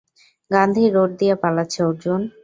Gandhi road দিয়ে পালাচ্ছে অর্জুন।